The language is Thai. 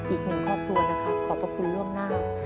อีกหนึ่งครอบครัวนะครับขอบพระคุณล่วงหน้า